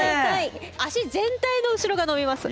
足全体の後ろが伸びます。